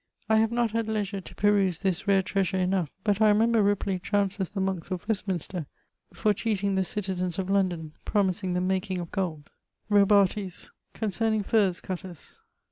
I have not had leisure to peruse this rare treasure enough; but I remember Ripley trounces the monkes of Westminster for cheating the citizens of London, promising them making of gold. =... Robartes.= _Concerning Furzecutters.